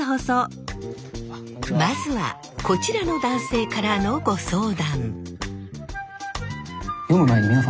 まずはこちらの男性からのご相談。